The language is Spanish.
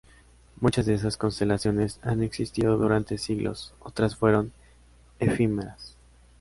Muchas de esas constelaciones han existido durante siglos, otras fueron muy efímeras.